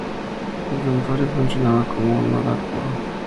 El santuario funcionaba como un oráculo.